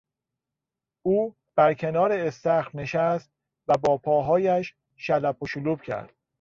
او بر کنار استخر نشست و با پاهایش شلپ شلوپ کرد.